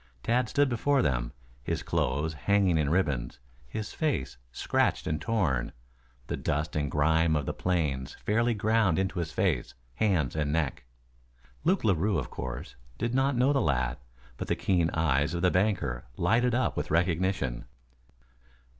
Tad stood before them, his clothes hanging in ribbons, his face scratched and torn, the dust and grime of the plains fairly ground into his face, hands and neck. Luke Larue, of course, did not know the lad, but the keen eyes of the banker lighted up with recognition.